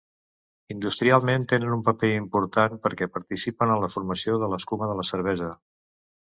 Industrialment tenen un paper important perquè participen en la formació de l’escuma de la cervesa.